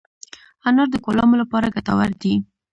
انار د کولمو لپاره ګټور دی.